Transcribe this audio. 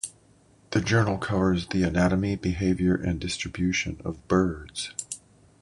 The journal covers the anatomy, behavior, and distribution of birds.